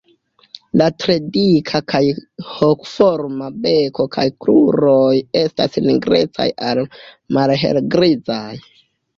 La tre dika kaj hokoforma beko kaj kruroj estas nigrecaj al malhelgrizaj.